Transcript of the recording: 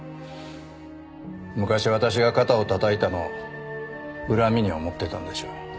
昔私が肩を叩いたのを恨みに思ってたんでしょう。